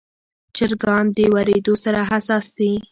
چرګان د وریدو سره حساس دي.